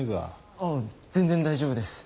あぁ全然大丈夫です。